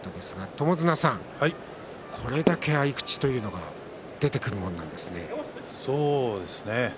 友綱さん、これだけ合い口というのが出てくるものなんですね。